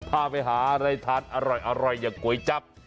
ถ้าไปหาอะไรทานอร่อยอร่อยอย่างก๋วยจั๊บ